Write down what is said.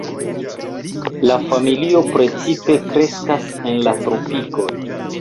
La familio precipe kreskas en la tropikoj.